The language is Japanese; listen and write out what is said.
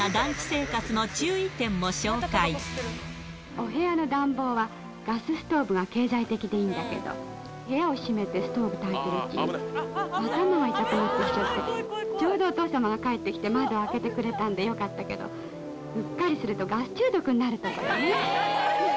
お部屋の暖房は、ガスストーブが経済的でいいんだけど、部屋を閉めてストーブたいてるうちに、頭が痛くなってきちゃって、ちょうどお父様が帰ってきて、窓を開けてくれたんでよかったけど、うっかりするとガス中毒になるところね。